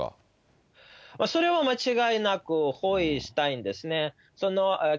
それは間違いなく包囲したいんですね。